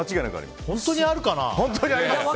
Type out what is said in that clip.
本当にあるかな？